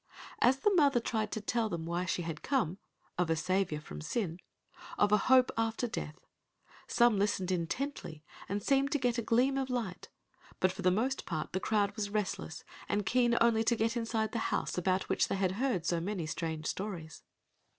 As the mother tried to tell them why she had come—of a Saviour from sin—of a hope after death, some listened intently and seemed to get a gleam of light, but for the most part the crowd was restless and keen only to get inside the house about which they had heard so many strange stories.